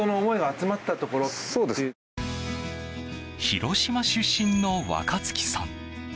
広島出身の若月さん。